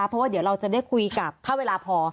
เพราะว่าเดี๋ยวเราจะได้คุยกับถ้าเวลาพอ